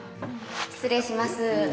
失礼します。